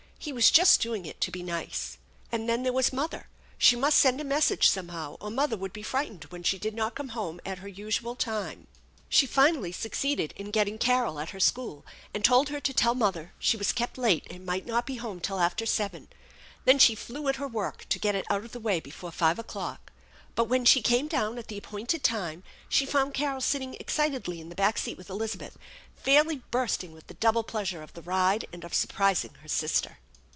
He was just doing it to be nice. And then there was mother. She must send a message somehow, or mother would be frightened when she did not oome home at her usual time. She finally succeeded in getting Carol at her school, anci 96 THE ENCHANTED BARN told her to tell mother she was kept late and might not be home till after seven. Then she flew at her work to get it out of the way before five o'clock. But, when she came down at the appointed time, she found Carol sitting excitedly in the back seat with Elizabeth, fairly bursting with the double pleasure of the ride and of surprising her sister.